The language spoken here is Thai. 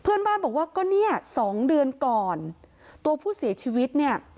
เพื่อนบ้านบอกว่าก็เนี่ยสองเดือนก่อนตัวผู้เสียชีวิตเนี่ย